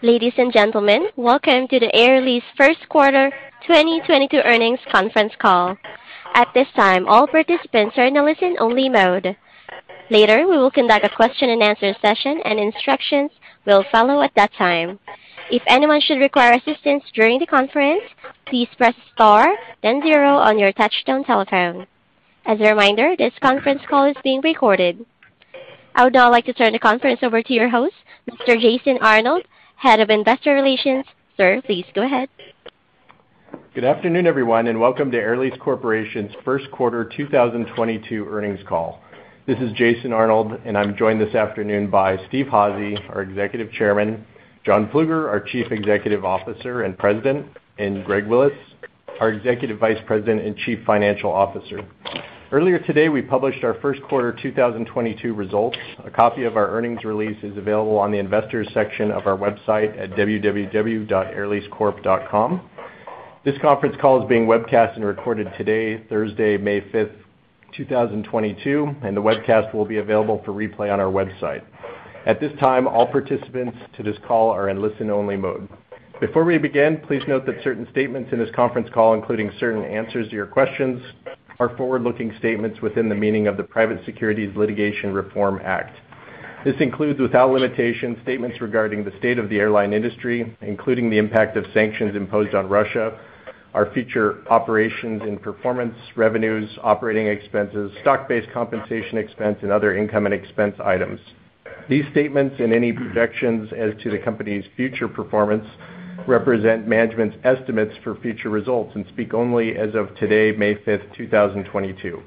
Ladies and gentlemen, welcome to the Air Lease first quarter 2022 earnings conference call. At this time, all participants are in listen-only mode. Later, we will conduct a question-and-answer session, and instructions will follow at that time. If anyone should require assistance during the conference, please press star then zero on your touchtone telephone. As a reminder, this conference call is being recorded. I would now like to turn the conference over to your host, Mr. Jason Arnold, Head of Investor Relations. Sir, please go ahead. Good afternoon, everyone, and welcome to Air Lease Corporation's first quarter 2022 earnings call. This is Jason Arnold, and I'm joined this afternoon by Steven Udvar-Házy, our Executive Chairman, John Plueger, our Chief Executive Officer and President, and Greg Willis, our Executive Vice President and Chief Financial Officer. Earlier today, we published our first quarter 2022 results. A copy of our earnings release is available on the Investors section of our website at www.airleasecorp.com. This conference call is being webcast and recorded today, Thursday, May 5, 2022, and the webcast will be available for replay on our website. At this time, all participants to this call are in listen-only mode. Before we begin, please note that certain statements in this conference call, including certain answers to your questions, are forward-looking statements within the meaning of the Private Securities Litigation Reform Act. This includes, without limitation, statements regarding the state of the airline industry, including the impact of sanctions imposed on Russia, our future operations and performance, revenues, operating expenses, stock-based compensation expense, and other income and expense items. These statements and any projections as to the company's future performance represent management's estimates for future results and speak only as of today, May 5th, 2022.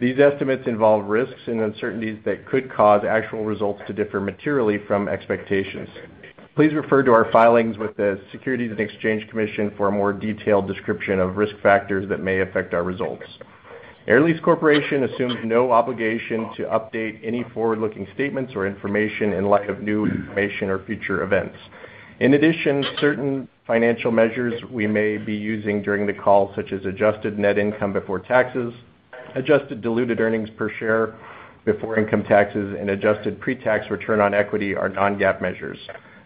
These estimates involve risks and uncertainties that could cause actual results to differ materially from expectations. Please refer to our filings with the Securities and Exchange Commission for a more detailed description of risk factors that may affect our results. Air Lease Corporation assumes no obligation to update any forward-looking statements or information in light of new information or future events. In addition, certain financial measures we may be using during the call, such as adjusted net income before taxes, adjusted diluted earnings per share before income taxes, and adjusted pre-tax return on equity are non-GAAP measures.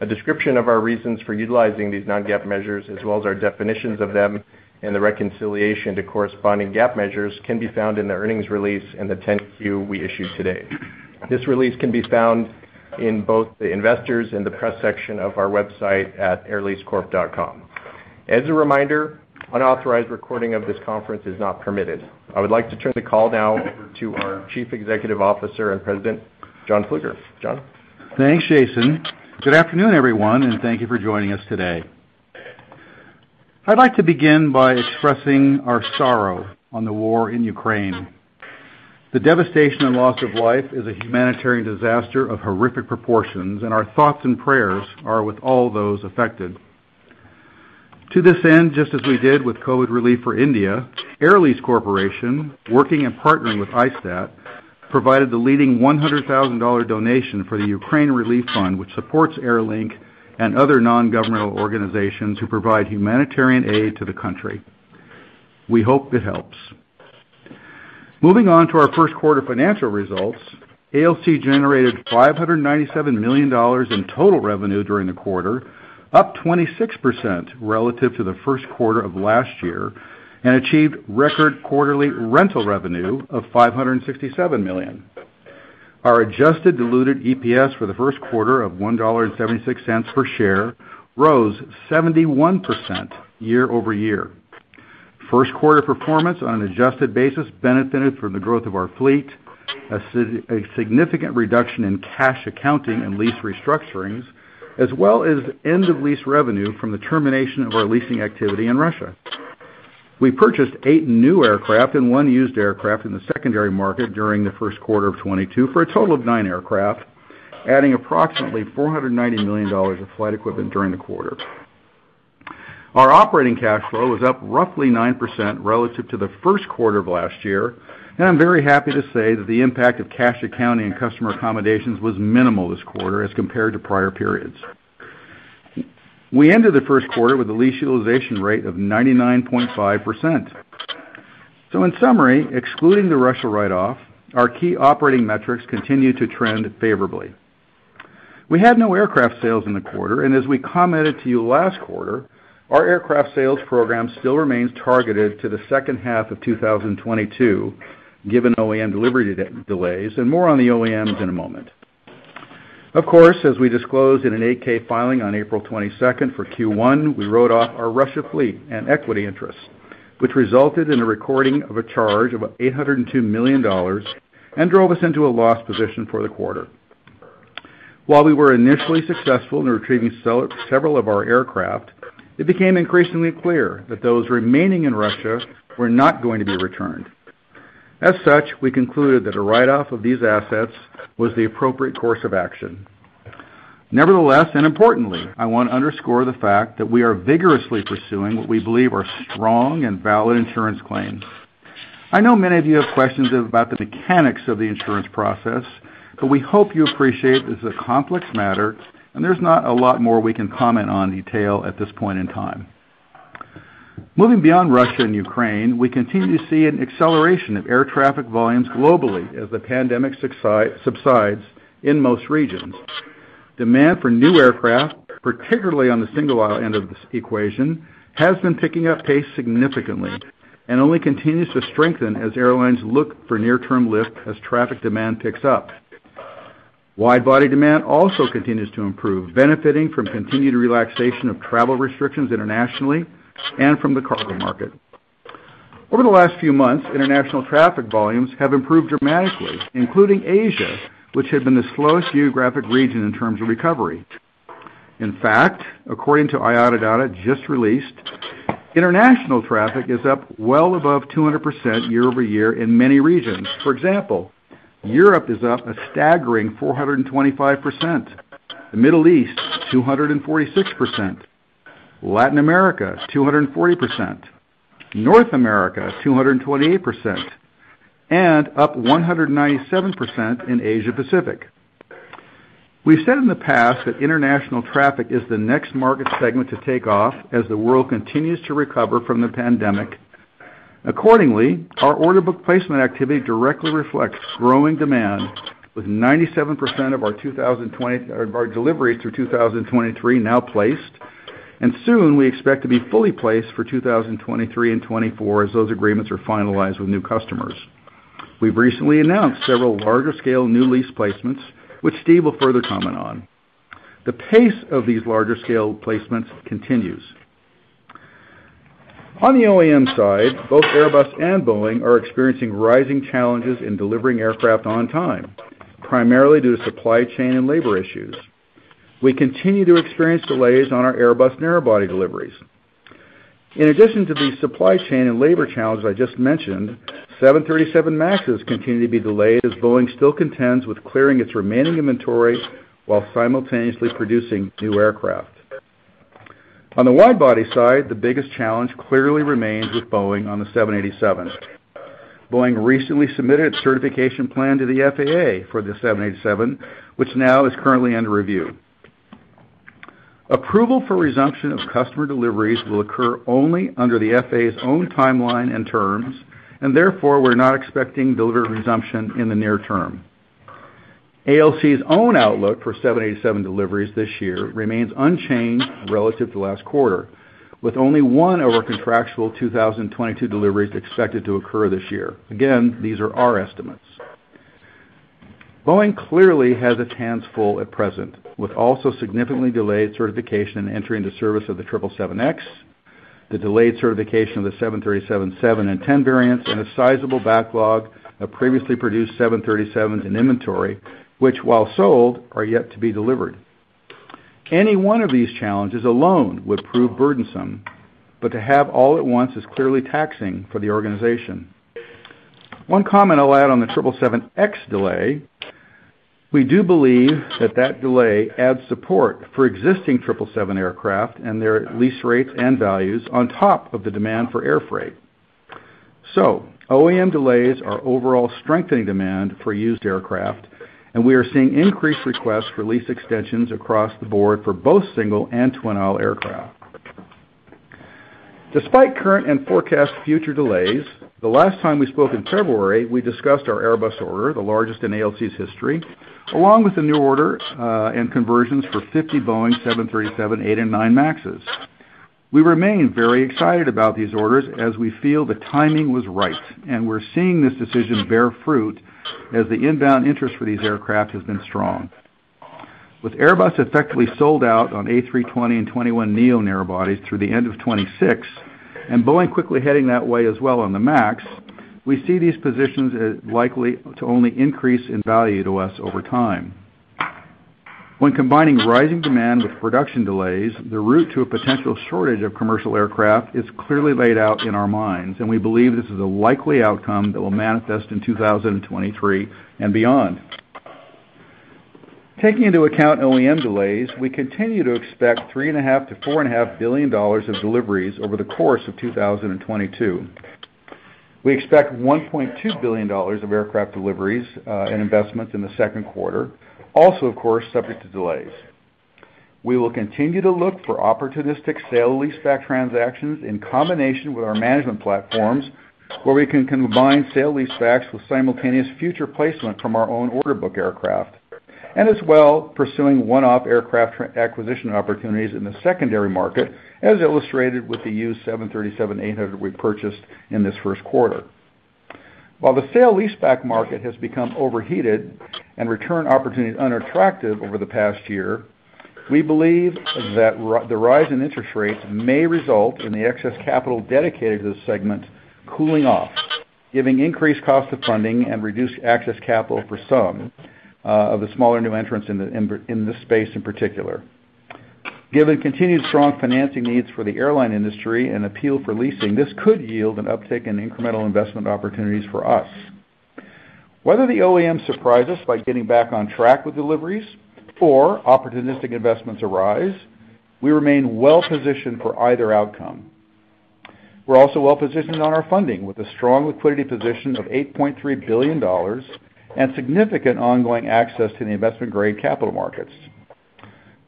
A description of our reasons for utilizing these non-GAAP measures, as well as our definitions of them and the reconciliation to corresponding GAAP measures, can be found in the earnings release and the 10-Q we issued today. This release can be found in both the Investors and the Press section of our website at airleasecorp.com. As a reminder, unauthorized recording of this conference is not permitted. I would like to turn the call now over to our Chief Executive Officer and President, John Plueger. John? Thanks, Jason. Good afternoon, everyone, and thank you for joining us today. I'd like to begin by expressing our sorrow on the war in Ukraine. The devastation and loss of life is a humanitarian disaster of horrific proportions, and our thoughts and prayers are with all those affected. To this end, just as we did with COVID relief for India, Air Lease Corporation, working and partnering with ISTAT, provided the leading $100,000 donation for the Ukraine Relief Fund, which supports Airlink and other non-governmental organizations who provide humanitarian aid to the country. We hope it helps. Moving on to our first quarter financial results, ALC generated $597 million in total revenue during the quarter, up 26% relative to the first quarter of last year, and achieved record quarterly rental revenue of $567 million. Our adjusted diluted EPS for the first quarter of $1.76 per share rose 71% year-over-year. First quarter performance on an adjusted basis benefited from the growth of our fleet, a significant reduction in cash accounting and lease restructurings, as well as end of lease revenue from the termination of our leasing activity in Russia. We purchased eight new aircraft and one used aircraft in the secondary market during the first quarter of 2022, for a total of nine aircraft, adding approximately $490 million of flight equipment during the quarter. Our operating cash flow was up roughly 9% relative to the first quarter of last year, and I'm very happy to say that the impact of cash accounting and customer accommodations was minimal this quarter as compared to prior periods. We ended the first quarter with a lease utilization rate of 99.5%. In summary, excluding the Russia write-off, our key operating metrics continued to trend favorably. We had no aircraft sales in the quarter, and as we commented to you last quarter, our aircraft sales program still remains targeted to the second half of 2022, given OEM delivery delays, and more on the OEMs in a moment. Of course, as we disclosed in an 8-K filing on April 22nd for Q1, we wrote off our Russia fleet and equity interest, which resulted in the recording of a charge of $802 million and drove us into a loss position for the quarter. While we were initially successful in retrieving several of our aircraft, it became increasingly clear that those remaining in Russia were not going to be returned. As such, we concluded that a write-off of these assets was the appropriate course of action. Nevertheless, and importantly, I want to underscore the fact that we are vigorously pursuing what we believe are strong and valid insurance claims. I know many of you have questions about the mechanics of the insurance process, but we hope you appreciate this is a complex matter, and there's not a lot more we can comment in detail at this point in time. Moving beyond Russia and Ukraine, we continue to see an acceleration of air traffic volumes globally as the pandemic subsides in most regions. Demand for new aircraft, particularly on the single aisle end of this equation, has been picking up pace significantly and only continues to strengthen as airlines look for near-term lift as traffic demand picks up. Wide-body demand also continues to improve, benefiting from continued relaxation of travel restrictions internationally and from the cargo market. Over the last few months, international traffic volumes have improved dramatically, including Asia, which had been the slowest geographic region in terms of recovery. In fact, according to IATA data just released, international traffic is up well above 200% year over year in many regions. For example, Europe is up a staggering 425%, the Middle East, 246%, Latin America, 240%, North America, 228%, and up 197% in Asia Pacific. We've said in the past that international traffic is the next market segment to take off as the world continues to recover from the pandemic. Accordingly, our order book placement activity directly reflects growing demand with 97% of our deliveries through 2023 now placed, and soon we expect to be fully placed for 2023 and 2024 as those agreements are finalized with new customers. We've recently announced several larger scale new lease placements, which Steve will further comment on. The pace of these larger scale placements continues. On the OEM side, both Airbus and Boeing are experiencing rising challenges in delivering aircraft on time, primarily due to supply chain and labor issues. We continue to experience delays on our Airbus narrow-body deliveries. In addition to these supply chain and labor challenges I just mentioned, 737 MAXs continue to be delayed as Boeing still contends with clearing its remaining inventory while simultaneously producing new aircraft. On the wide body side, the biggest challenge clearly remains with Boeing on the Seven Eighty-Sevens. Boeing recently submitted its certification plan to the FAA for the Seven Eighty-Seven, which now is currently under review. Approval for resumption of customer deliveries will occur only under the FAA's own timeline and terms, and therefore, we're not expecting delivery resumption in the near term. ALC's own outlook for Seven Eighty-Seven deliveries this year remains unchanged relative to last quarter, with only one over contractual 2022 deliveries expected to occur this year. Again, these are our estimates. Boeing clearly has its hands full at present, with also significantly delayed certification and entry into service of the Triple Seven X, the delayed certification of the Seven Thirty-Seven Seven and Ten variants, and a sizable backlog of previously produced Seven Thirty-Sevens in inventory, which, while sold, are yet to be delivered. Any one of these challenges alone would prove burdensome, but to have all at once is clearly taxing for the organization. One comment I'll add on the 777X delay, we do believe that that delay adds support for existing 777 aircraft and their lease rates and values on top of the demand for air freight. OEM delays are overall strengthening demand for used aircraft, and we are seeing increased requests for lease extensions across the board for both single and twin aisle aircraft. Despite current and forecast future delays, the last time we spoke in February, we discussed our Airbus order, the largest in ALC's history, along with the new order and conversions for 50 Boeing 737-8 and nine MAXs. We remain very excited about these orders as we feel the timing was right, and we're seeing this decision bear fruit as the inbound interest for these aircraft has been strong. With Airbus effectively sold out on A320 and A321neo narrow bodies through the end of 2026, and Boeing quickly heading that way as well on the MAX, we see these positions as likely to only increase in value to us over time. When combining rising demand with production delays, the route to a potential shortage of commercial aircraft is clearly laid out in our minds, and we believe this is a likely outcome that will manifest in 2023 and beyond. Taking into account OEM delays, we continue to expect $3.5 billion-$4.5 billion of deliveries over the course of 2022. We expect $1.2 billion of aircraft deliveries and investments in the second quarter, also, of course, subject to delays. We will continue to look for opportunistic sale leaseback transactions in combination with our management platforms, where we can combine sale leasebacks with simultaneous future placement from our own order book aircraft. As well, pursuing one-off aircraft acquisition opportunities in the secondary market, as illustrated with the used 737-800 we purchased in this first quarter. While the sale leaseback market has become overheated and return opportunities unattractive over the past year, we believe that the rise in interest rates may result in the excess capital dedicated to this segment cooling off, giving increased cost of funding and reduced access capital for some of the smaller new entrants in this space in particular. Given continued strong financing needs for the airline industry and appeal for leasing, this could yield an uptick in incremental investment opportunities for us. Whether the OEM surprise us by getting back on track with deliveries or opportunistic investments arise, we remain well positioned for either outcome. We're also well positioned on our funding with a strong liquidity position of $8.3 billion and significant ongoing access to the investment-grade capital markets.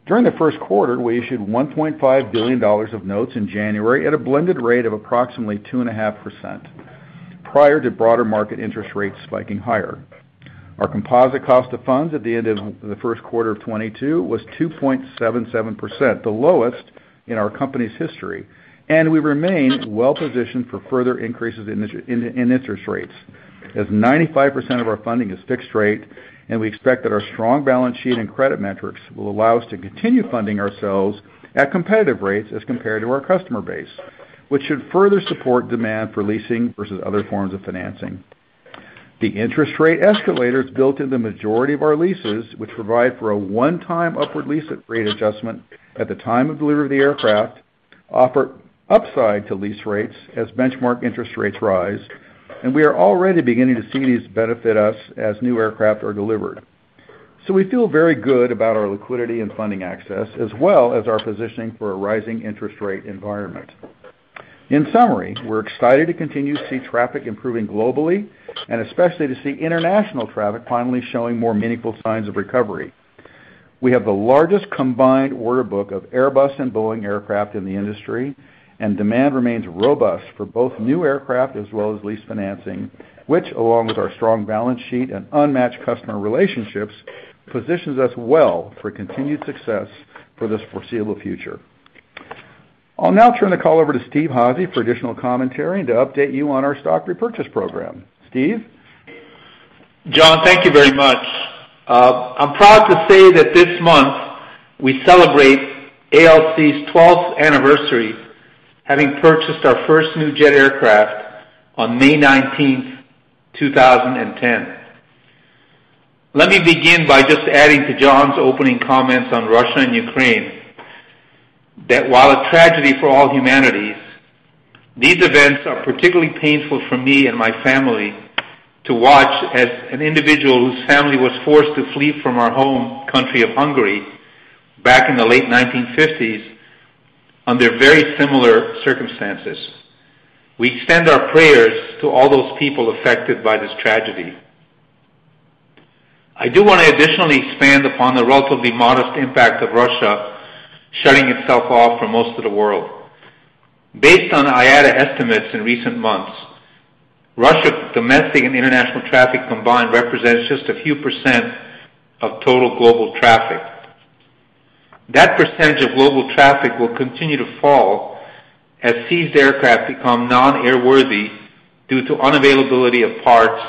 During the first quarter, we issued $1.5 billion of notes in January at a blended rate of approximately 2.5% prior to broader market interest rates spiking higher. Our composite cost of funds at the end of the first quarter of 2022 was 2.77%, the lowest in our company's history, and we remain well-positioned for further increases in interest rates as 95% of our funding is fixed rate. We expect that our strong balance sheet and credit metrics will allow us to continue funding ourselves at competitive rates as compared to our customer base, which should further support demand for leasing versus other forms of financing. The interest rate escalators built in the majority of our leases, which provide for a one-time upward lease rate adjustment at the time of delivery of the aircraft, offer upside to lease rates as benchmark interest rates rise, and we are already beginning to see these benefit us as new aircraft are delivered. We feel very good about our liquidity and funding access as well as our positioning for a rising interest rate environment. In summary, we're excited to continue to see traffic improving globally and especially to see international traffic finally showing more meaningful signs of recovery. We have the largest combined order book of Airbus and Boeing aircraft in the industry, and demand remains robust for both new aircraft as well as lease financing, which along with our strong balance sheet and unmatched customer relationships, positions us well for continued success for this foreseeable future. I'll now turn the call over to Steven Udvar-Házy for additional commentary and to update you on our stock repurchase program. Steven Udvar-Házy. John, thank you very much. I'm proud to say that this month we celebrate ALC's twelfth anniversary, having purchased our first new jet aircraft on May nineteenth, two thousand and ten. Let me begin by just adding to John's opening comments on Russia and Ukraine that while a tragedy for all humanity, these events are particularly painful for me and my family to watch as an individual whose family was forced to flee from our home country of Hungary back in the late nineteen fifties under very similar circumstances. We extend our prayers to all those people affected by this tragedy. I do want to additionally expand upon the relatively modest impact of Russia shutting itself off from most of the world. Based on IATA estimates in recent months, Russia's domestic and international traffic combined represents just a few % of total global traffic. That percentage of global traffic will continue to fall as seized aircraft become non-airworthy due to unavailability of parts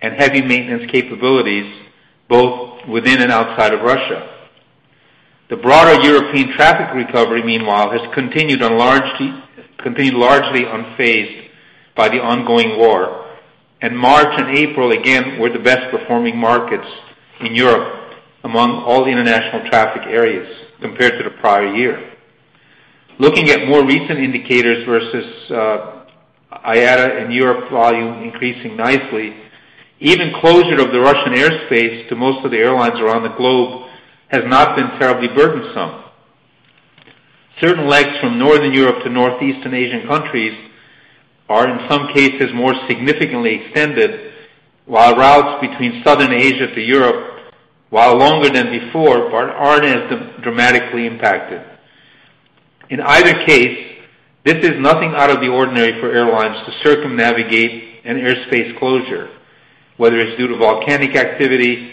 and heavy maintenance capabilities both within and outside of Russia. The broader European traffic recovery, meanwhile, has continued largely unfazed by the ongoing war, and March and April again were the best performing markets in Europe among all the international traffic areas compared to the prior year. Looking at more recent indicators versus IATA and Europe volume increasing nicely, even closure of the Russian airspace to most of the airlines around the globe has not been terribly burdensome. Certain legs from Northern Europe to Northeastern Asian countries are, in some cases, more significantly extended, while routes between Southern Asia to Europe, while longer than before, aren't as dramatically impacted. In either case, this is nothing out of the ordinary for airlines to circumnavigate an airspace closure, whether it's due to volcanic activity,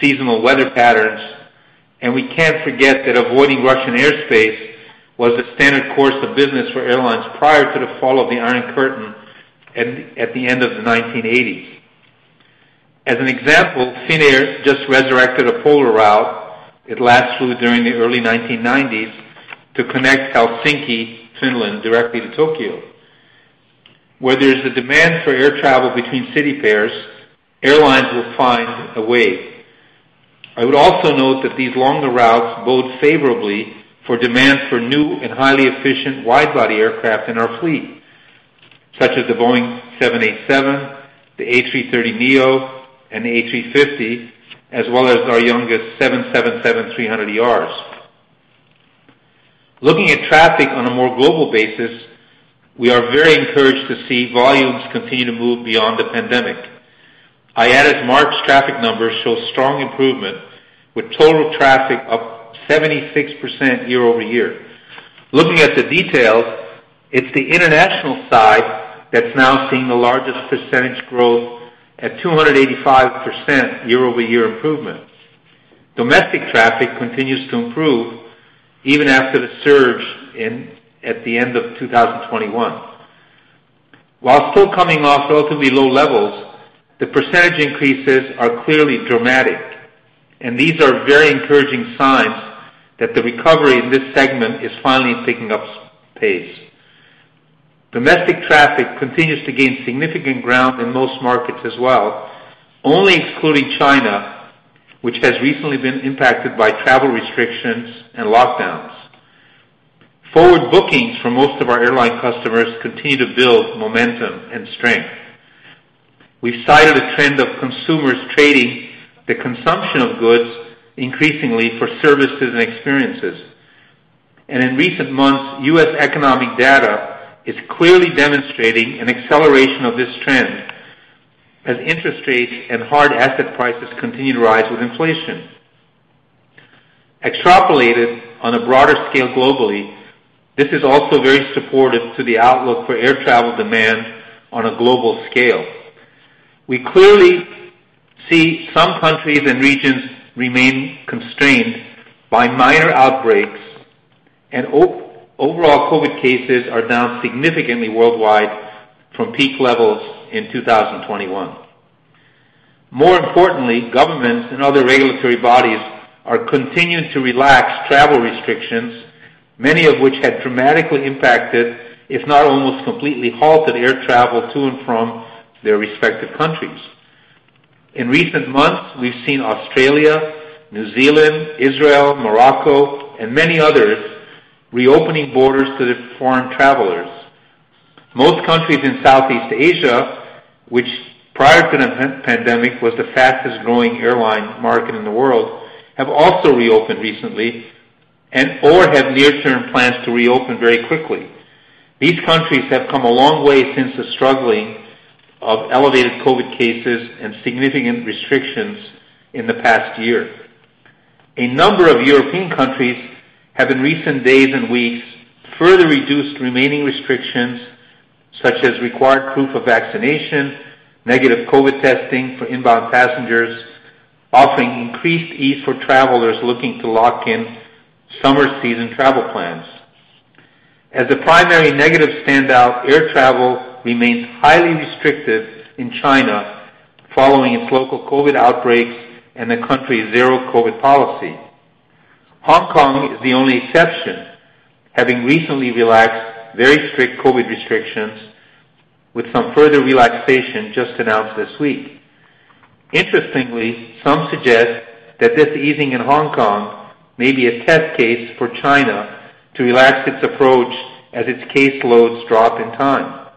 seasonal weather patterns, and we can't forget that avoiding Russian airspace was a standard course of business for airlines prior to the fall of the Iron Curtain at the end of the 1980s. As an example, Finnair just resurrected a polar route it last flew during the early 1990s to connect Helsinki, Finland, directly to Tokyo. Where there's a demand for air travel between city pairs, airlines will find a way. I would also note that these longer routes bode favorably for demand for new and highly efficient wide-body aircraft in our fleet, such as the Boeing 787, the A330neo, and the A350, as well as our youngest 777-300ERs. Looking at traffic on a more global basis, we are very encouraged to see volumes continue to move beyond the pandemic. IATA's March traffic numbers show strong improvement, with total traffic up 76% year over year. Looking at the details, it's the international side that's now seeing the largest percentage growth at 285% year over year improvement. Domestic traffic continues to improve even after the surge at the end of 2021. While still coming off relatively low levels, the percentage increases are clearly dramatic, and these are very encouraging signs that the recovery in this segment is finally picking up pace. Domestic traffic continues to gain significant ground in most markets as well, only excluding China, which has recently been impacted by travel restrictions and lockdowns. Forward bookings for most of our airline customers continue to build momentum and strength. We've cited a trend of consumers trading the consumption of goods increasingly for services and experiences. In recent months, U.S. economic data is clearly demonstrating an acceleration of this trend. As interest rates and hard asset prices continue to rise with inflation. Extrapolated on a broader scale globally, this is also very supportive to the outlook for air travel demand on a global scale. We clearly see some countries and regions remain constrained by minor outbreaks, and overall COVID cases are down significantly worldwide from peak levels in 2021. More importantly, governments and other regulatory bodies are continuing to relax travel restrictions, many of which had dramatically impacted, if not almost completely halted, air travel to and from their respective countries. In recent months, we've seen Australia, New Zealand, Israel, Morocco, and many others reopening borders to the foreign travelers. Most countries in Southeast Asia, which prior to the pre-pandemic was the fastest-growing airline market in the world, have also reopened recently and/or have near-term plans to reopen very quickly. These countries have come a long way since the struggle with elevated COVID cases and significant restrictions in the past year. A number of European countries have in recent days and weeks further reduced remaining restrictions such as required proof of vaccination, negative COVID testing for inbound passengers, offering increased ease for travelers looking to lock in summer season travel plans. As the primary negative standout, air travel remains highly restrictive in China following its local COVID outbreaks and the country's zero-COVID policy. Hong Kong is the only exception, having recently relaxed very strict COVID restrictions, with some further relaxation just announced this week. Interestingly, some suggest that this easing in Hong Kong may be a test case for China to relax its approach as its caseloads drop in time.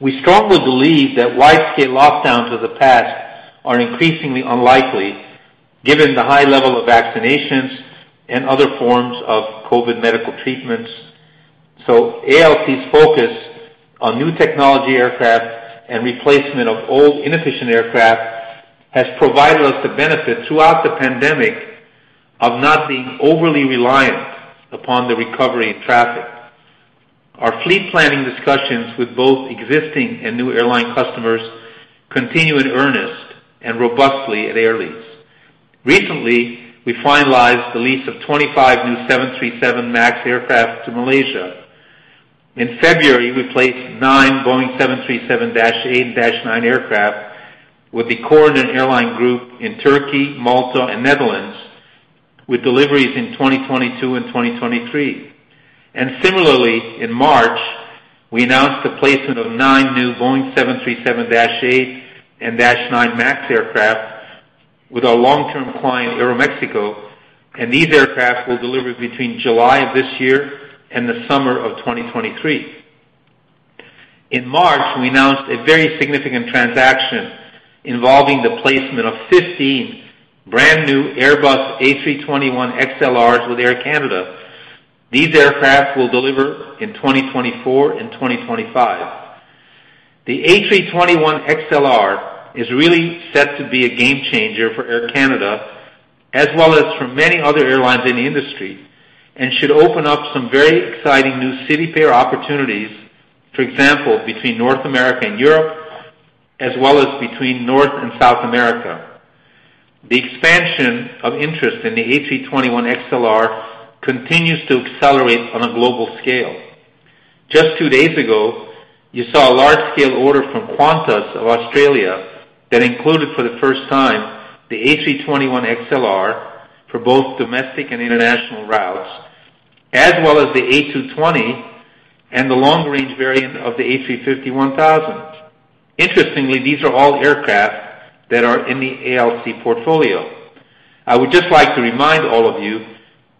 We strongly believe that widespread lockdowns of the past are increasingly unlikely given the high level of vaccinations and other forms of COVID medical treatments. ALC's focus on new technology aircraft and replacement of old, inefficient aircraft has provided us the benefit throughout the pandemic of not being overly reliant upon the recovery in traffic. Our fleet planning discussions with both existing and new airline customers continue in earnest and robustly at Air Lease. Recently, we finalized the lease of 25 new 737 MAX aircraft to Malaysia Airlines. In February, we placed nine Boeing 737-8 and 737-9 aircraft with the Corendon airline group in Turkey, Malta, and Netherlands, with deliveries in 2022 and 2023. Similarly, in March, we announced the placement of nine new Boeing 737-8 and -9 MAX aircraft with our long-term client, Aeroméxico. These aircraft will deliver between July of this year and the summer of 2023. In March, we announced a very significant transaction involving the placement of 15 brand-new Airbus A321XLRs with Air Canada. These aircraft will deliver in 2024 and 2025. The A321XLR is really set to be a game changer for Air Canada as well as for many other airlines in the industry, and should open up some very exciting new city pair opportunities, for example, between North America and Europe, as well as between North and South America. The expansion of interest in the A321XLR continues to accelerate on a global scale. Just two days ago, you saw a large-scale order from Qantas of Australia that included, for the first time, the A321XLR for both domestic and international routes, as well as the A220 and the long-range variant of the A350-1000. Interestingly, these are all aircraft that are in the ALC portfolio. I would just like to remind all of you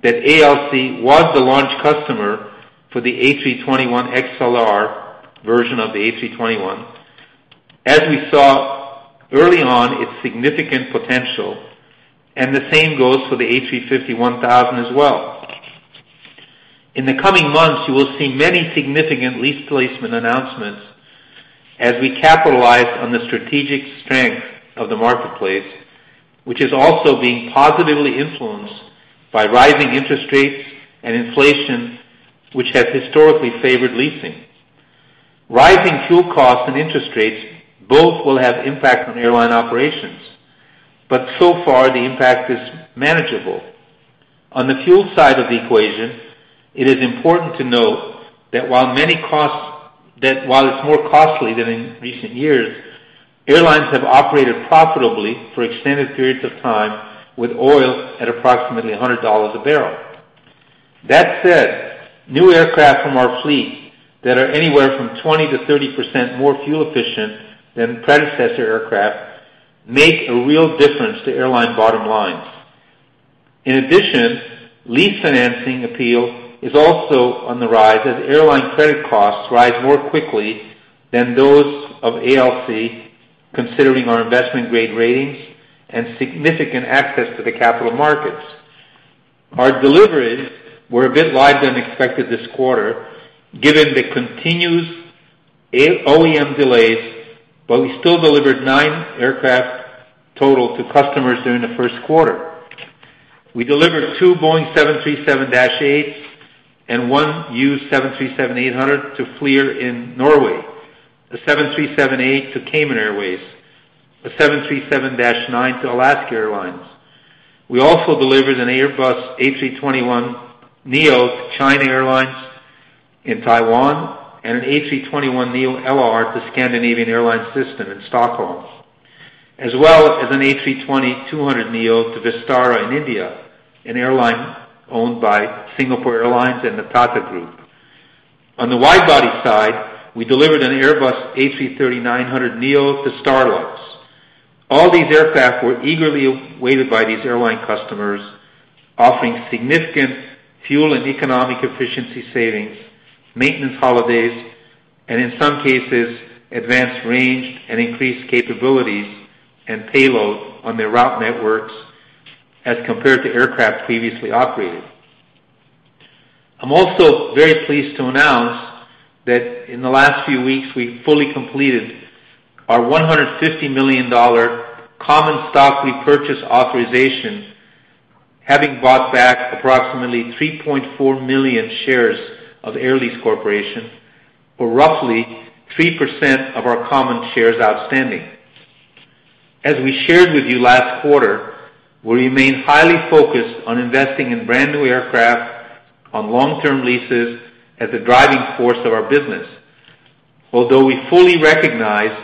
that ALC was the launch customer for the A321XLR version of the A321 as we saw early on its significant potential, and the same goes for the A350-1000 as well. In the coming months, you will see many significant lease placement announcements as we capitalize on the strategic strength of the marketplace, which is also being positively influenced by rising interest rates and inflation, which has historically favored leasing. Rising fuel costs and interest rates both will have impact on airline operations, but so far the impact is manageable. On the fuel side of the equation, it is important to note that while it's more costly than in recent years, airlines have operated profitably for extended periods of time with oil at approximately $100 a barrel. That said, new aircraft from our fleet that are anywhere from 20%-30% more fuel efficient than predecessor aircraft make a real difference to airline bottom lines. In addition, lease financing appeal is also on the rise as airline credit costs rise more quickly than those of ALC, considering our investment-grade ratings and significant access to the capital markets. Our deliveries were a bit lighter than expected this quarter, given the continuous OEM delays, but we still delivered nine aircraft total to customers during the first quarter. We delivered two Boeing 737-8s and one used 737-800 to Flyr in Norway. A 737-8 to Cayman Airways. A 737-9 to Alaska Airlines. We also delivered an Airbus A321neo to China Airlines in Taiwan, and an A321neoLR to Scandinavian Airlines System in Stockholm, as well as an A320 200neo to Vistara in India, an airline owned by Singapore Airlines and the Tata Group. On the wide-body side, we delivered an Airbus A330-900neo to STARLUX. All these aircraft were eagerly awaited by these airline customers, offering significant fuel and economic efficiency savings, maintenance holidays, and in some cases, advanced range and increased capabilities and payload on their route networks as compared to aircraft previously operated. I'm also very pleased to announce that in the last few weeks, we fully completed our $150 million common stock repurchase authorization, having bought back approximately 3.4 million shares of Air Lease Corporation, or roughly 3% of our common shares outstanding. As we shared with you last quarter, we remain highly focused on investing in brand-new aircraft on long-term leases as the driving force of our business. Although we fully recognize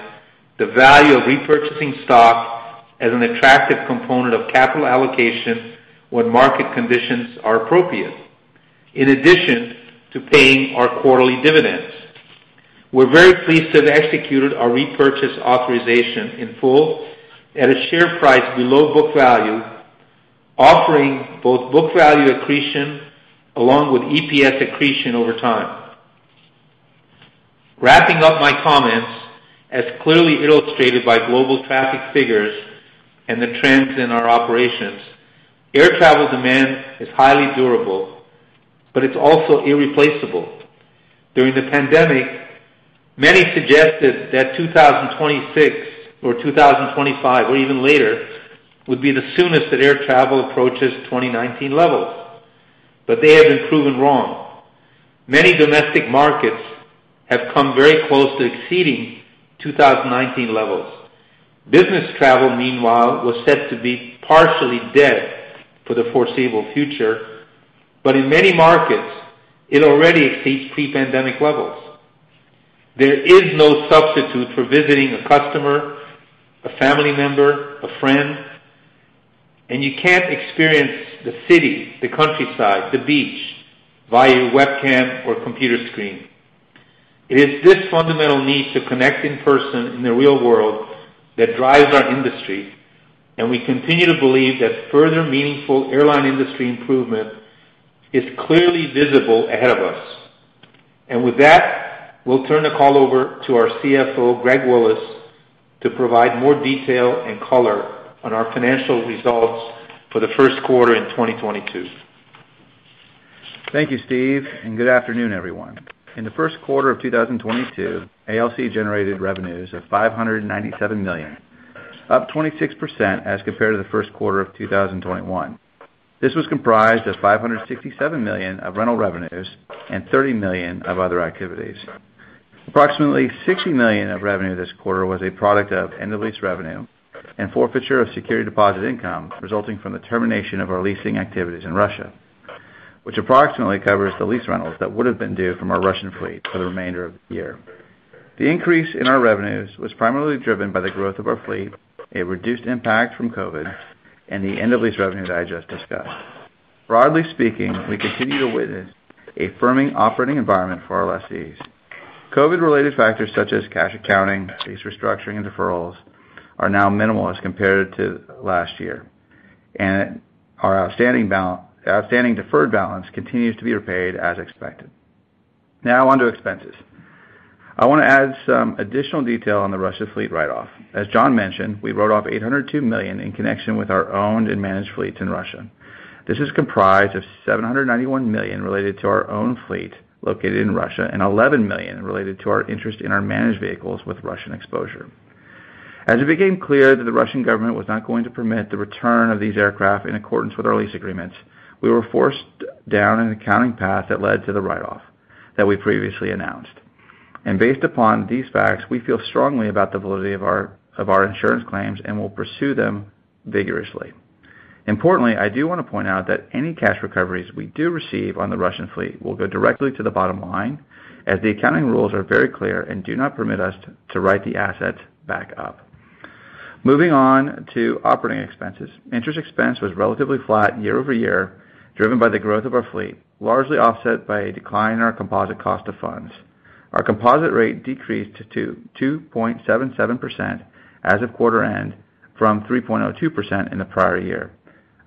the value of repurchasing stock as an attractive component of capital allocation when market conditions are appropriate, in addition to paying our quarterly dividends, we're very pleased to have executed our repurchase authorization in full at a share price below book value, offering both book value accretion along with EPS accretion over time. Wrapping up my comments, as clearly illustrated by global traffic figures and the trends in our operations, air travel demand is highly durable, but it's also irreplaceable. During the pandemic, many suggested that 2026 or 2025 or even later, would be the soonest that air travel approaches 2019 levels, but they have been proven wrong. Many domestic markets have come very close to exceeding 2019 levels. Business travel, meanwhile, was said to be partially dead for the foreseeable future, but in many markets, it already exceeds pre-pandemic levels. There is no substitute for visiting a customer, a family member, a friend, and you can't experience the city, the countryside, the beach via webcam or computer screen. It is this fundamental need to connect in person in the real world that drives our industry, and we continue to believe that further meaningful airline industry improvement is clearly visible ahead of us. With that, we'll turn the call over to our CFO, Greg Willis, to provide more detail and color on our financial results for the first quarter in 2022. Thank you, Steve, and good afternoon, everyone. In the first quarter of 2022, ALC generated revenues of $597 million, up 26% as compared to the first quarter of 2021. This was comprised of $567 million of rental revenues and $30 million of other activities. Approximately $60 million of revenue this quarter was a product of end-of-lease revenue and forfeiture of security deposit income resulting from the termination of our leasing activities in Russia, which approximately covers the lease rentals that would have been due from our Russian fleet for the remainder of the year. The increase in our revenues was primarily driven by the growth of our fleet, a reduced impact from COVID, and the end-of-lease revenue that I just discussed. Broadly speaking, we continue to witness a firming operating environment for our lessees. COVID-related factors such as cash accounting, lease restructuring, and deferrals are now minimal as compared to last year, and our outstanding deferred balance continues to be repaid as expected. Now on to expenses. I wanna add some additional detail on the Russia fleet write-off. As John mentioned, we wrote off $802 million in connection with our owned and managed fleets in Russia. This is comprised of $791 million related to our own fleet located in Russia and $11 million related to our interest in our managed vehicles with Russian exposure. As it became clear that the Russian government was not going to permit the return of these aircraft in accordance with our lease agreements, we were forced down an accounting path that led to the write-off that we previously announced. Based upon these facts, we feel strongly about the validity of our insurance claims and will pursue them vigorously. Importantly, I do wanna point out that any cash recoveries we do receive on the Russian fleet will go directly to the bottom line, as the accounting rules are very clear and do not permit us to write the assets back up. Moving on to operating expenses. Interest expense was relatively flat year-over-year, driven by the growth of our fleet, largely offset by a decline in our composite cost of funds. Our composite rate decreased to 2.77% as of quarter end from 3.02% in the prior year.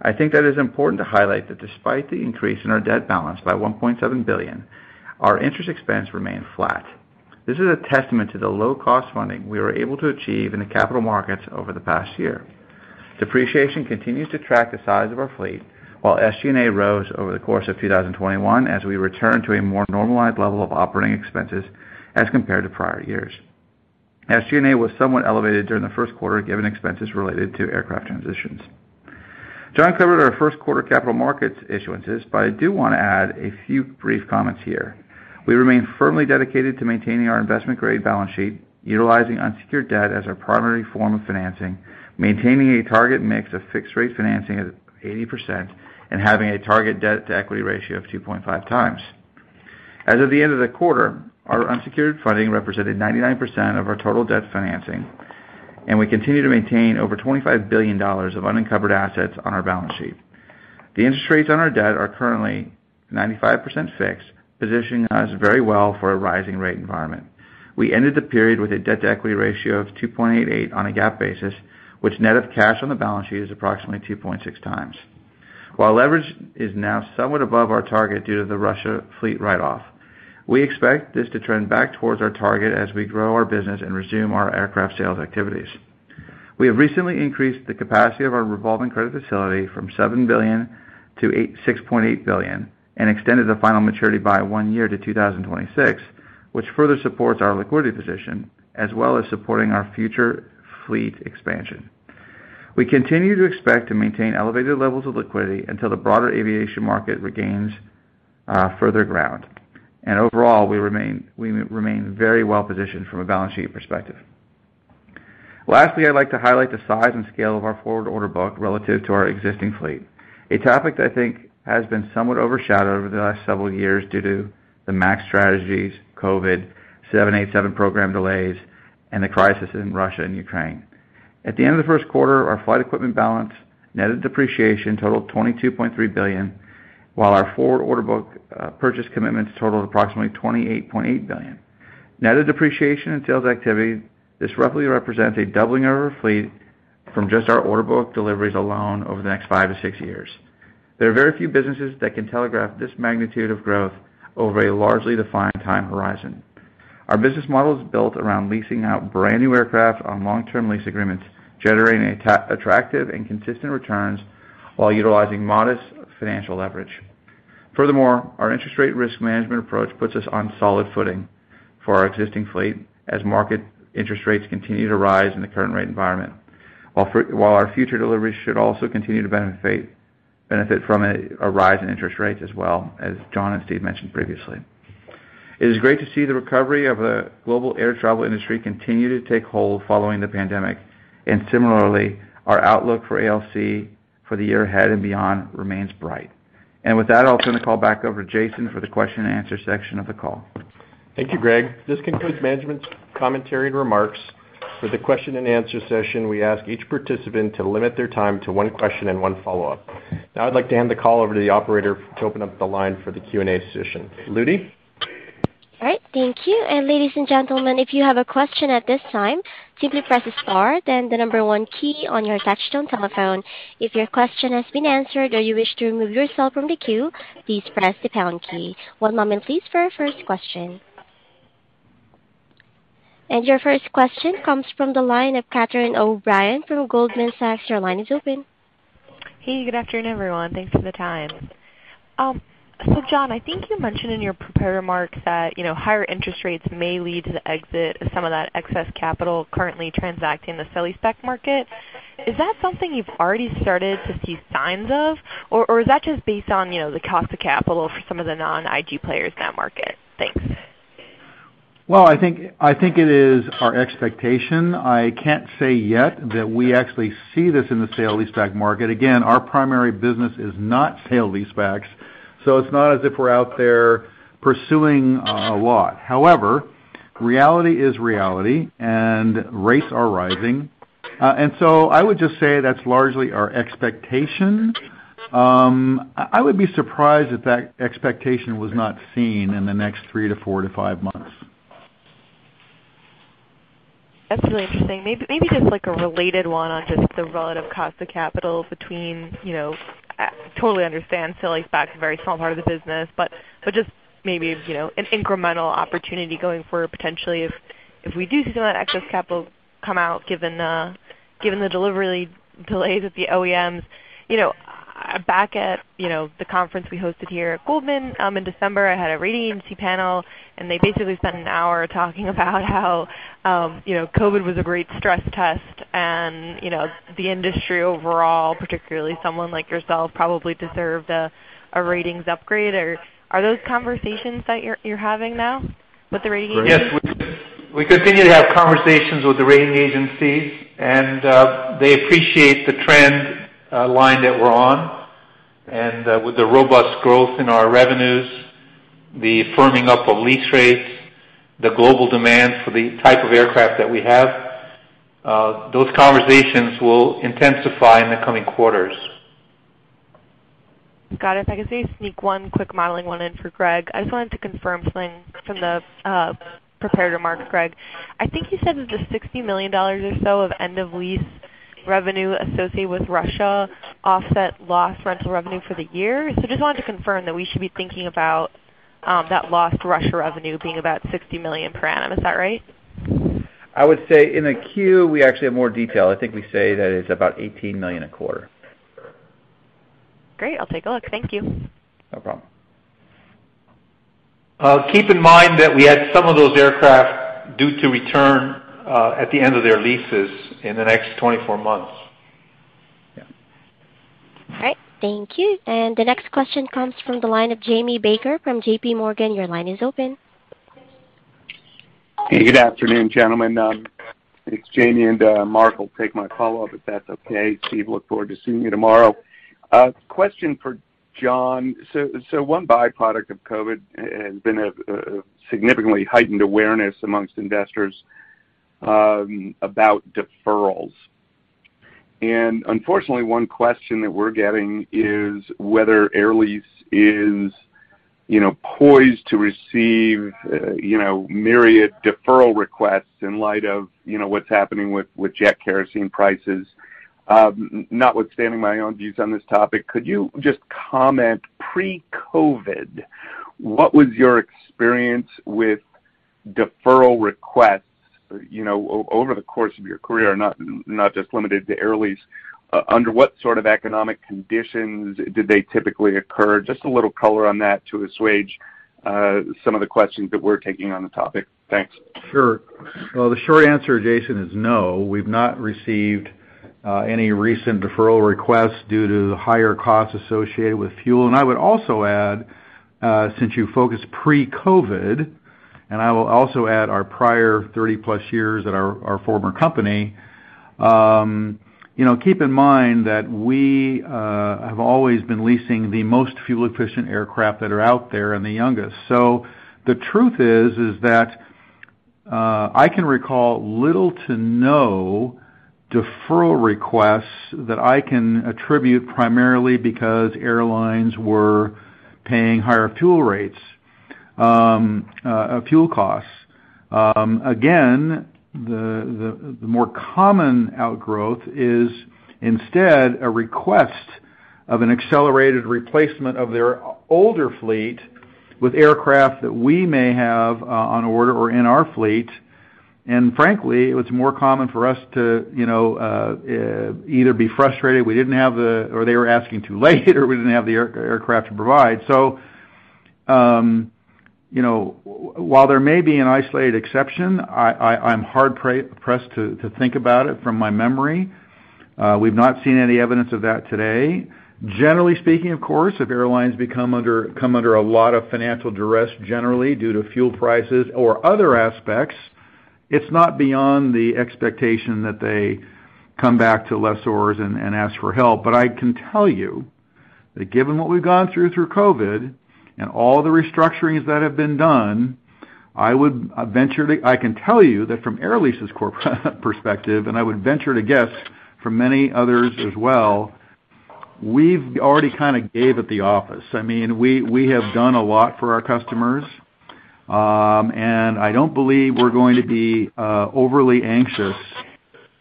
I think that it's important to highlight that despite the increase in our debt balance by $1.7 billion, our interest expense remained flat. This is a testament to the low-cost funding we were able to achieve in the capital markets over the past year. Depreciation continues to track the size of our fleet, while SG&A rose over the course of 2021 as we return to a more normalized level of operating expenses as compared to prior years. SG&A was somewhat elevated during the first quarter, given expenses related to aircraft transitions. John covered our first quarter capital markets issuances, but I do wanna add a few brief comments here. We remain firmly dedicated to maintaining our investment-grade balance sheet, utilizing unsecured debt as our primary form of financing, maintaining a target mix of fixed rate financing at 80%, and having a target debt-to-equity ratio of 2.5 times. As of the end of the quarter, our unsecured funding represented 99% of our total debt financing, and we continue to maintain over $25 billion of unencumbered assets on our balance sheet. The interest rates on our debt are currently 95% fixed, positioning us very well for a rising rate environment. We ended the period with a debt-to-equity ratio of 2.88 on a GAAP basis, which net of cash on the balance sheet is approximately 2.6 times. While leverage is now somewhat above our target due to the Russia fleet write-off, we expect this to trend back towards our target as we grow our business and resume our aircraft sales activities. We have recently increased the capacity of our revolving credit facility from $7 billion-$8.6 billion, and extended the final maturity by one year to 2026, which further supports our liquidity position, as well as supporting our future fleet expansion. We continue to expect to maintain elevated levels of liquidity until the broader aviation market regains further ground. Overall, we remain very well-positioned from a balance sheet perspective. Lastly, I'd like to highlight the size and scale of our forward order book relative to our existing fleet, a topic that I think has been somewhat overshadowed over the last several years due to the MAX strategies, COVID, 787 program delays, and the crisis in Russia and Ukraine. At the end of the first quarter, our flight equipment balance, net of depreciation, totaled $22.3 billion, while our forward order book purchase commitments totaled approximately $28.8 billion. Net of depreciation and sales activity, this roughly represents a doubling of our fleet from just our order book deliveries alone over the next 5-6 years. There are very few businesses that can telegraph this magnitude of growth over a largely defined time horizon. Our business model is built around leasing out brand-new aircraft on long-term lease agreements, generating attractive and consistent returns while utilizing modest financial leverage. Furthermore, our interest rate risk management approach puts us on solid footing for our existing fleet as market interest rates continue to rise in the current rate environment. While while our future deliveries should also continue to benefit from a rise in interest rates as well, as John and Steve mentioned previously. It is great to see the recovery of the global air travel industry continue to take hold following the pandemic, and similarly, our outlook for ALC for the year ahead and beyond remains bright. With that, I'll turn the call back over to Jason for the question and answer section of the call. Thank you, Greg. This concludes management's commentary and remarks. For the question and answer session, we ask each participant to limit their time to one question and one follow-up. Now I'd like to hand the call over to the operator to open up the line for the Q&A session. Ludy? All right, thank you. Ladies and gentlemen, if you have a question at this time, simply press star then the one key on your touchtone telephone. If your question has been answered or you wish to remove yourself from the queue, please press the pound key. One moment please for our first question. Your first question comes from the line of Catherine O'Brien from Goldman Sachs. Your line is open. Hey, good afternoon, everyone. Thanks for the time. So John, I think you mentioned in your prepared remarks that, you know, higher interest rates may lead to the exit of some of that excess capital currently transacting the sale-leaseback market. Is that something you've already started to see signs of, or is that just based on, you know, the cost of capital for some of the non-IG players in that market? Thanks. I think it is our expectation. I can't say yet that we actually see this in the sale leaseback market. Again, our primary business is not sale leasebacks, so it's not as if we're out there pursuing a lot. However, reality is reality, and rates are rising. I would just say that's largely our expectation. I would be surprised if that expectation was not seen in the next three to four to five months. That's really interesting. Maybe just like a related one on just the relative cost of capital between, you know, totally understand sale-leaseback is a very small part of the business, but just maybe, you know, an incremental opportunity going forward, potentially if we do see that excess capital come out given the delivery delays at the OEMs. You know, back at the conference we hosted here at Goldman in December, I had a rating agency panel, and they basically spent an hour talking about how, you know, COVID was a great stress test and, you know, the industry overall, particularly someone like yourself, probably deserved a ratings upgrade. Or are those conversations that you're having now with the rating agencies? Yes. We continue to have conversations with the rating agencies, and they appreciate the trend line that we're on. With the robust growth in our revenues, the firming up of lease rates, the global demand for the type of aircraft that we have, those conversations will intensify in the coming quarters. Got it. If I could maybe sneak one quick modeling one in for Greg. I just wanted to confirm something from the prepared remarks, Greg. I think you said that the $60 million or so of end-of-lease revenue associated with Russia offset lost rental revenue for the year. Just wanted to confirm that we should be thinking about that lost Russia revenue being about $60 million per annum. Is that right? I would say in the Q, we actually have more detail. I think we say that it's about $18 million a quarter. Great. I'll take a look. Thank you. No problem. Keep in mind that we had some of those aircraft due to return at the end of their leases in the next 24 months. Yeah. All right. Thank you. The next question comes from the line of Jamie Baker from JP Morgan. Your line is open. Hey, good afternoon, gentlemen. It's Jamie, and Mark will take my follow-up, if that's okay. Steve, look forward to seeing you tomorrow. Question for John. One byproduct of COVID has been a significantly heightened awareness among investors about deferrals. Unfortunately, one question that we're getting is whether Air Lease is, you know, poised to receive, you know, myriad deferral requests in light of, you know, what's happening with jet kerosene prices. Notwithstanding my own views on this topic, could you just comment pre-COVID, what was your experience with deferral requests, you know, over the course of your career, not just limited to Air Lease? Under what sort of economic conditions did they typically occur? Just a little color on that to assuage some of the questions that we're taking on the topic. Thanks. Sure. Well, the short answer, Jason, is no. We've not received any recent deferral requests due to the higher costs associated with fuel. I would also add, since you focused pre-COVID, and I will also add our prior 30-plus years at our former company, you know, keep in mind that we have always been leasing the most fuel-efficient aircraft that are out there and the youngest. The truth is that I can recall little to no deferral requests that I can attribute primarily because airlines were paying higher fuel rates, fuel costs. Again, the more common outgrowth is instead a request of an accelerated replacement of their older fleet with aircraft that we may have on order or in our fleet. Frankly, it was more common for us to either be frustrated we didn't have the or they were asking too late or we didn't have the aircraft to provide. While there may be an isolated exception, I'm hard-pressed to think about it from my memory. We've not seen any evidence of that today. Generally speaking, of course, if airlines come under a lot of financial duress generally due to fuel prices or other aspects, it's not beyond the expectation that they come back to lessors and ask for help. I can tell you that given what we've gone through through COVID and all the restructurings that have been done, I would venture to. I can tell you that from Air Lease's core perspective, and I would venture to guess from many others as well, we've already kind of given at the office. I mean, we have done a lot for our customers. I don't believe we're going to be overly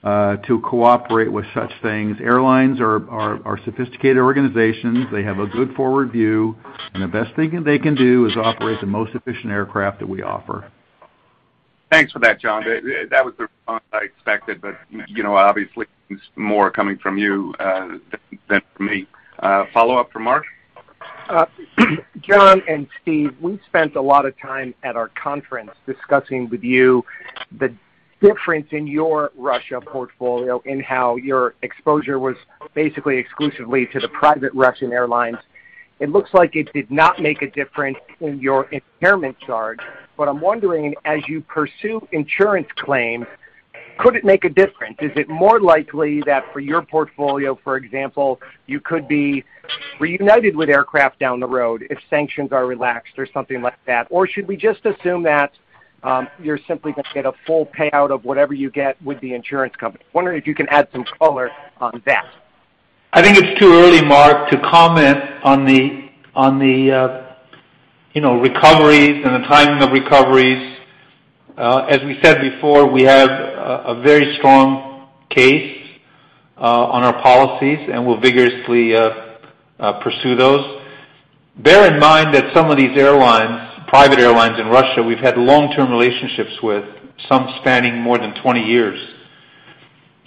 anxious to cooperate with such things. Airlines are sophisticated organizations. They have a good forward view, and the best thing they can do is operate the most efficient aircraft that we offer. Thanks for that, John. That was the response I expected, but, you know, obviously more coming from you than from me. Follow-up from Mark. John and Steve, we spent a lot of time at our conference discussing with you the difference in your Russia portfolio and how your exposure was basically exclusively to the private Russian airlines. It looks like it did not make a difference in your impairment charge, but I'm wondering, as you pursue insurance claims, could it make a difference? Is it more likely that for your portfolio, for example, you could be reunited with aircraft down the road if sanctions are relaxed or something like that? Or should we just assume that, you're simply gonna get a full payout of whatever you get with the insurance company? Wondering if you can add some color on that. I think it's too early, Mark, to comment on the, you know, recoveries and the timing of recoveries. As we said before, we have a very strong case on our policies, and we'll vigorously pursue those. Bear in mind that some of these airlines, private airlines in Russia, we've had long-term relationships with, some spanning more than 20 years.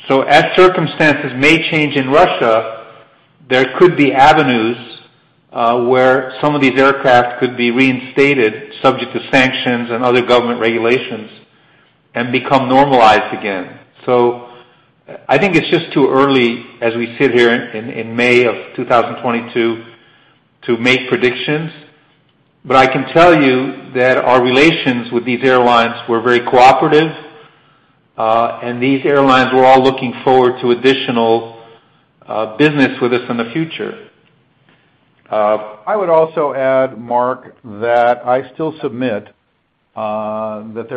As circumstances may change in Russia, there could be avenues where some of these aircraft could be reinstated subject to sanctions and other government regulations and become normalized again. I think it's just too early as we sit here in May of 2022 to make predictions. I can tell you that our relations with these airlines were very cooperative, and these airlines were all looking forward to additional business with us in the future. I would also add, Mark, that I still submit that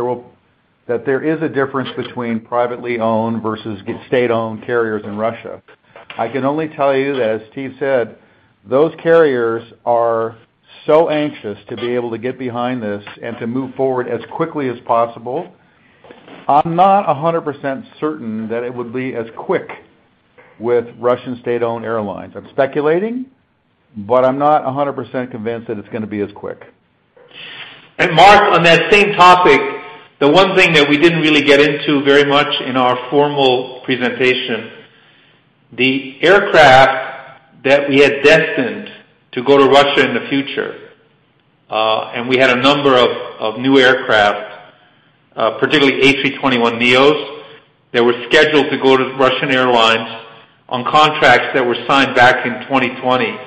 there is a difference between privately owned versus state-owned carriers in Russia. I can only tell you that as Steve said, those carriers are so anxious to be able to get behind this and to move forward as quickly as possible. I'm not 100% certain that it would be as quick with Russian state-owned airlines. I'm speculating, but I'm not 100% convinced that it's gonna be as quick. Mark, on that same topic, the one thing that we didn't really get into very much in our formal presentation, the aircraft that we had destined to go to Russia in the future, and we had a number of new aircraft, particularly A321neos, that were scheduled to go to Russian Airlines on contracts that were signed back in 2020,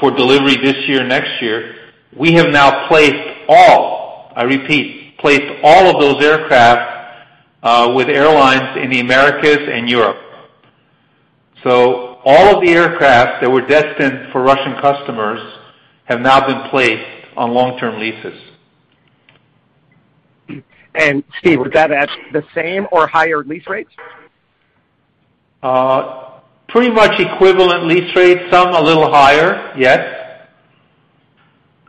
for delivery this year, next year. We have now placed all, I repeat, placed all of those aircraft, with airlines in the Americas and Europe. All of the aircraft that were destined for Russian customers have now been placed on long-term leases. Steve, would that be at the same or higher lease rates? Pretty much equivalent lease rates. Some a little higher, yes.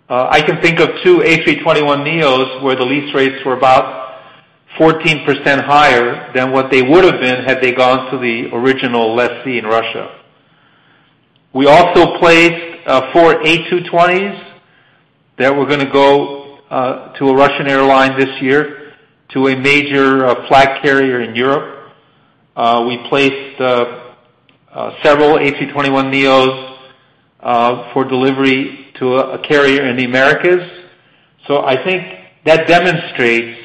I can think of two A321neos, where the lease rates were about 14% higher than what they would have been had they gone to the original lessee in Russia. We also placed four A220s that were gonna go to a Russian airline this year to a major flag carrier in Europe. We placed several A321neos for delivery to a carrier in the Americas. I think that demonstrates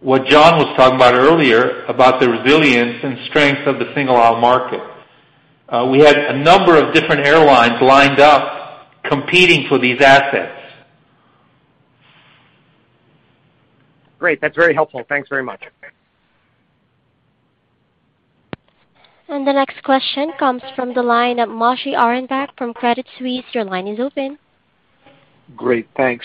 what John was talking about earlier about the resilience and strength of the single-aisle market. We had a number of different airlines lined up competing for these assets. Great. That's very helpful. Thanks very much. The next question comes from the line of Moshe Orenbuch from Credit Suisse. Your line is open. Great, thanks.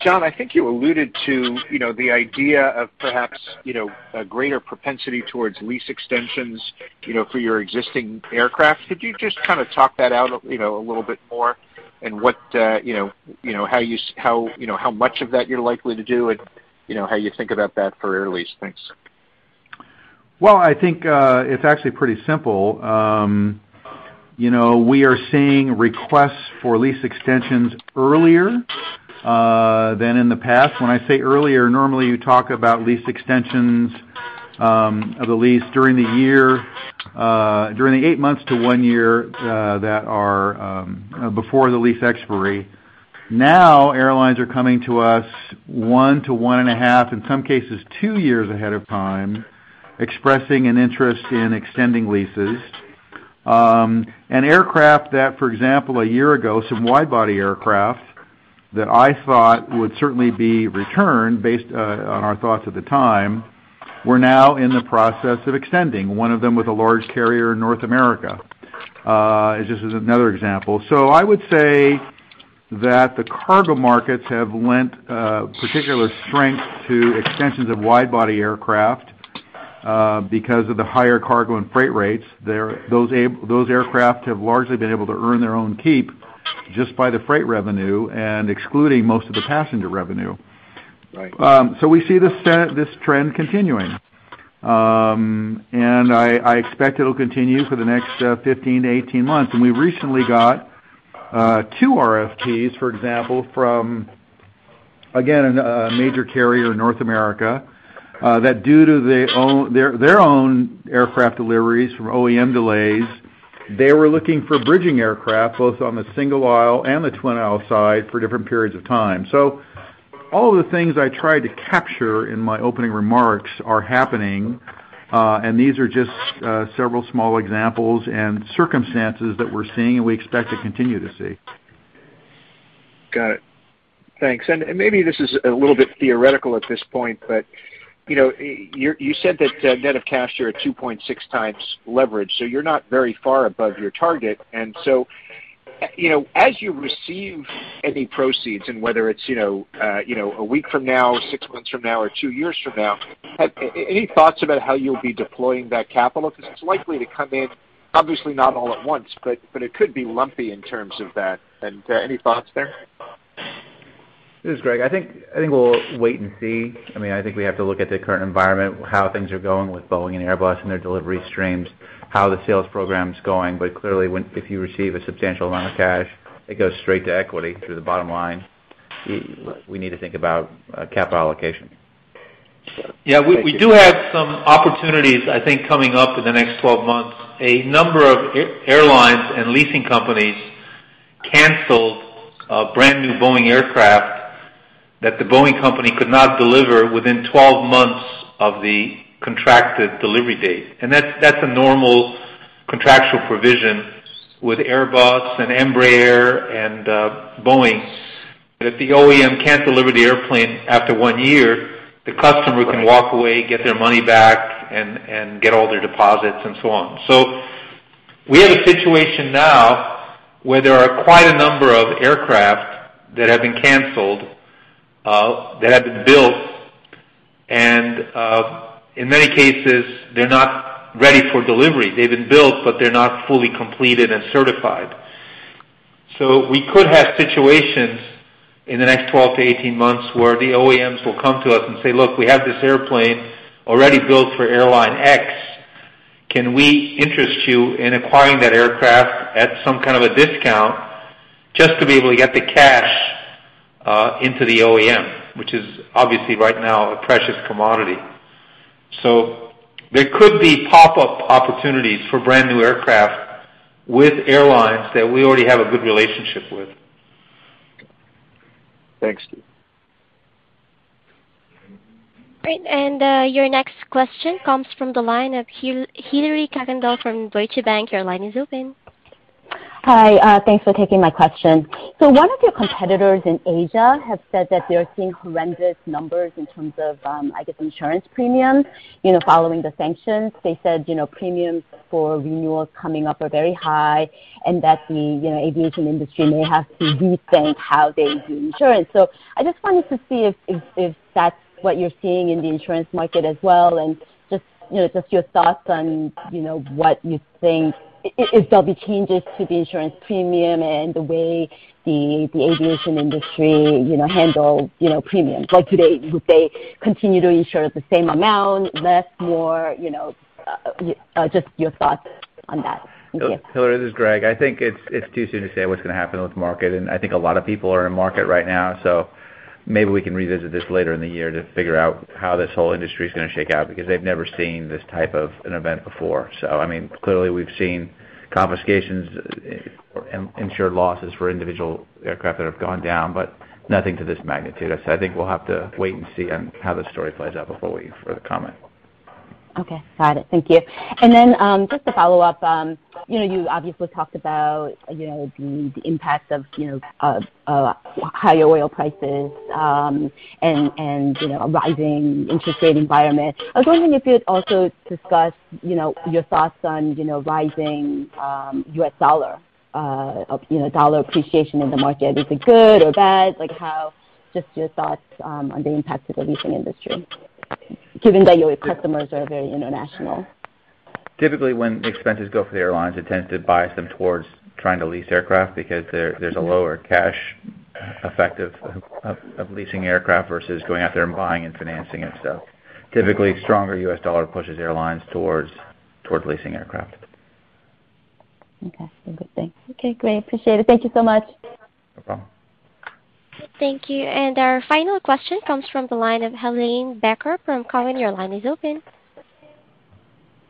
John, I think you alluded to, you know, the idea of perhaps, you know, a greater propensity towards lease extensions, you know, for your existing aircraft. Could you just kinda talk that out, you know, a little bit more and what, you know, how, you know, how much of that you're likely to do and, you know, how you think about that for Air Lease? Thanks. Well, I think, it's actually pretty simple. You know, we are seeing requests for lease extensions earlier than in the past. When I say earlier, normally, you talk about lease extensions of the lease during the year during the eight months to one year that are before the lease expiry. Now, airlines are coming to us one to 1.5, in some cases, two years ahead of time, expressing an interest in extending leases. Aircraft that, for example, one year ago, some wide-body aircraft that I thought would certainly be returned based on our thoughts at the time, we're now in the process of extending. One of them with a large carrier in North America is just as another example. I would say that the cargo markets have lent particular strength to extensions of wide-body aircraft because of the higher cargo and freight rates. Those aircraft have largely been able to earn their own keep just by the freight revenue and excluding most of the passenger revenue. Right. We see this trend continuing. I expect it'll continue for the next 15-18 months. We recently got two RFPs, for example, from again a major carrier in North America that due to their own aircraft deliveries from OEM delays were looking for bridging aircraft both on the single aisle and the twin aisle side for different periods of time. All of the things I tried to capture in my opening remarks are happening, and these are just several small examples and circumstances that we're seeing and we expect to continue to see. Got it. Thanks. Maybe this is a little bit theoretical at this point, but, you know, you said that, net of cash, you're at 2.6x leverage, so you're not very far above your target. You know, as you receive any proceeds and whether it's, you know, you know, a week from now, six months from now or two years from now, any thoughts about how you'll be deploying that capital? 'Cause it's likely to come in, obviously not all at once, but it could be lumpy in terms of that. Any thoughts there? This is Greg. I think we'll wait and see. I mean, I think we have to look at the current environment, how things are going with Boeing and Airbus and their delivery streams, how the sales program's going. Clearly, if you receive a substantial amount of cash, it goes straight to equity through the bottom line. We need to think about capital allocation. Yeah. We do have some opportunities, I think, coming up in the next 12 months. A number of airlines and leasing companies canceled a brand-new Boeing aircraft that the Boeing company could not deliver within 12 months of the contracted delivery date. That's a normal contractual provision with Airbus and Embraer and Boeing, that if the OEM can't deliver the airplane after one year, the customer can walk away, get their money back and get all their deposits and so on. We have a situation now where there are quite a number of aircraft that have been canceled, that have been built. And in many cases, they're not ready for delivery. They've been built, but they're not fully completed and certified. We could have situations in the next 12-18 months where the OEMs will come to us and say, "Look, we have this airplane already built for airline X. Can we interest you in acquiring that aircraft at some kind of a discount just to be able to get the cash into the OEM?" Which is obviously right now a precious commodity. There could be pop-up opportunities for brand-new aircraft with airlines that we already have a good relationship with. Thanks, Steve. Great. Your next question comes from the line of Hillary Cacanando from Deutsche Bank. Your line is open. Hi. Thanks for taking my question. One of your competitors in Asia has said that they are seeing horrendous numbers in terms of, I guess, insurance premium, you know, following the sanctions. They said, you know, premiums for renewals coming up are very high and that the, you know, aviation industry may have to rethink how they do insurance. I just wanted to see if that's what you're seeing in the insurance market as well, and just, you know, your thoughts on, you know, what you think. If there'll be changes to the insurance premium and the way the aviation industry, you know, handle, you know, premiums. Like today, would they continue to insure the same amount, less, more, you know? Just your thoughts on that. Thank you. Hillary, this is Greg. I think it's too soon to say what's gonna happen with the market, and I think a lot of people are in market right now, so maybe we can revisit this later in the year to figure out how this whole industry is gonna shake out because they've never seen this type of an event before. I mean, clearly we've seen confiscations, insured losses for individual aircraft that have gone down, but nothing to this magnitude. I think we'll have to wait and see on how the story plays out before we further comment. Okay. Got it. Thank you. Just to follow up, you know, you obviously talked about, you know, the impact of, you know, higher oil prices, and you know, a rising interest rate environment. I was wondering if you'd also discuss, you know, your thoughts on, you know, rising US dollar appreciation in the market. Is it good or bad? Like, just your thoughts on the impact to the leasing industry given that your customers are very international. Typically, when expenses go for the airlines, it tends to bias them towards trying to lease aircraft because there's a lower cash effect of leasing aircraft versus going out there and buying and financing it. Typically, stronger U.S. dollar pushes airlines towards leasing aircraft. Okay. Good, thanks. Okay, great. Appreciate it. Thank you so much. No problem. Thank you. Our final question comes from the line of Helane Becker from Cowen. Your line is open.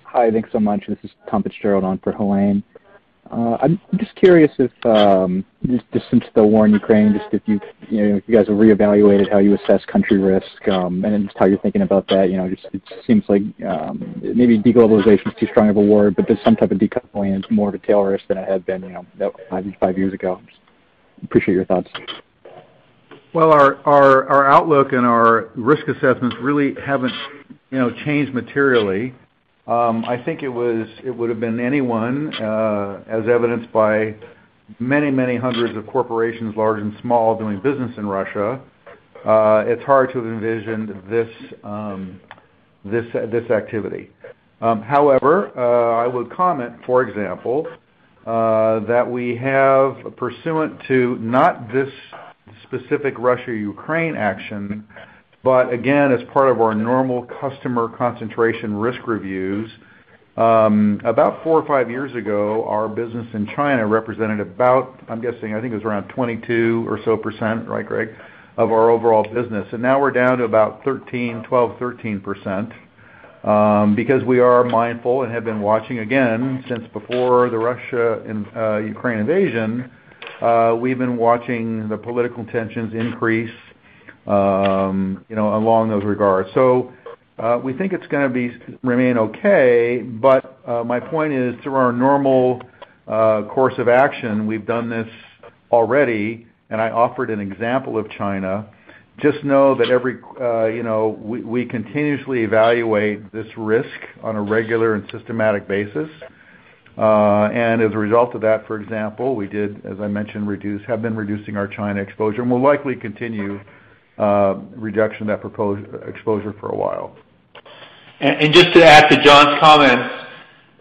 Hi. Thanks so much. This is Tom Fitzgerald on for Helane. I'm just curious if just since the war in Ukraine, just if you've you know, if you guys have reevaluated how you assess country risk and just how you're thinking about that. You know, just it seems like maybe de-globalization is too strong of a word, but there's some type of decoupling and more of a tail risk than it had been you know, five years ago. Appreciate your thoughts. Well, our outlook and our risk assessments really haven't, you know, changed materially. I think it would have been anyone, as evidenced by many hundreds of corporations, large and small, doing business in Russia. It's hard to have envisioned this activity. However, I would comment, for example, that we have pursuant to not this specific Russia-Ukraine action, but again, as part of our normal customer concentration risk reviews, about four or five years ago, our business in China represented about, I'm guessing, I think it was around 22% or so, right, Greg, of our overall business. Now we're down to about 13, 12, 13%, because we are mindful and have been watching again since before the Russia, Ukraine invasion, we've been watching the political tensions increase, you know, along those regards. We think it's gonna remain okay, but, my point is, through our normal, course of action, we've done this already, and I offered an example of China. Just know that every, you know, we continuously evaluate this risk on a regular and systematic basis. And as a result of that, for example, we did, as I mentioned, have been reducing our China exposure, and we'll likely continue, reduction of that exposure for a while. Just to add to John's comments,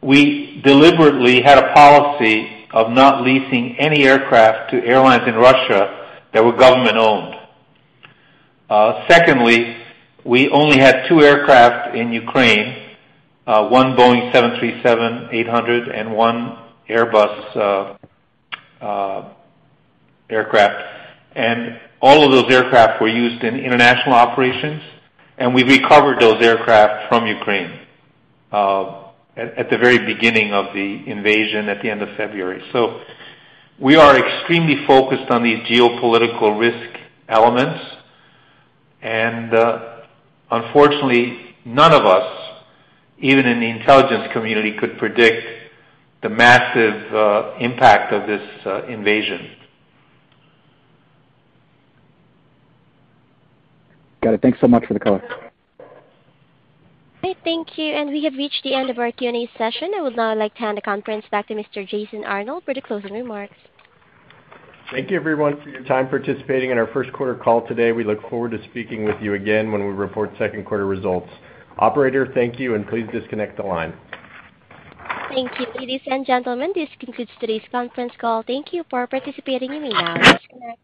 we deliberately had a policy of not leasing any aircraft to airlines in Russia that were government-owned. Secondly, we only had two aircraft in Ukraine, one Boeing 737-800 and one Airbus aircraft, and all of those aircraft were used in international operations. We recovered those aircraft from Ukraine at the very beginning of the invasion at the end of February. We are extremely focused on these geopolitical risk elements, and unfortunately, none of us, even in the intelligence community, could predict the massive impact of this invasion. Got it. Thanks so much for the color. Okay. Thank you. We have reached the end of our Q&A session. I would now like to hand the conference back to Mr. Jason Arnold for the closing remarks. Thank you everyone for your time participating in our first quarter call today. We look forward to speaking with you again when we report second quarter results. Operator, thank you, and please disconnect the line. Thank you. Ladies and gentlemen, this concludes today's conference call. Thank you for participating in it.